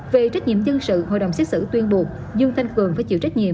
về trách nhiệm dân sự hội đồng xét xử tuyên buộc dương thanh cường phải chịu trách nhiệm